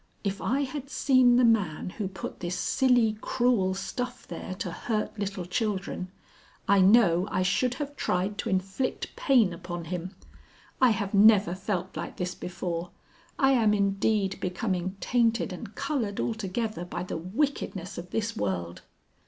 "If I had seen the man who put this silly cruel stuff there to hurt little children, I know I should have tried to inflict pain upon him. I have never felt like this before. I am indeed becoming tainted and coloured altogether by the wickedness of this world."